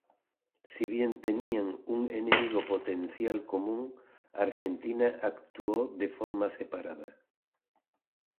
Si bien tenían un enemigo potencial común, Argentina actuó de forma separada.